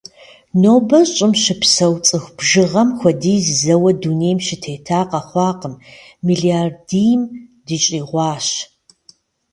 Нобэ Щӏым щыпсэу цӏыху бжыгъэм хуэдиз зэуэ дунейм щытета къэхъуакъым – мелардийм дыщӏигъуащ.